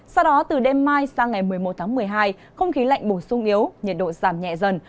sau đó từ đêm mai sang ngày một mươi một tháng một mươi hai không khí lạnh bổ sung yếu nhiệt độ giảm nhẹ dần